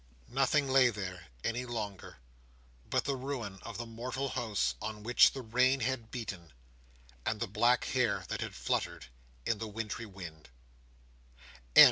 Nothing lay there, any longer, but the ruin of the mortal house on which the rain had beaten, and the black hair that had fluttered in the wintry wind.